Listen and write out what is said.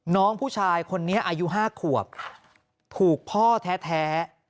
น้องผู้ชายคนนี้อายุ๕ขวบถูกพ่อแท้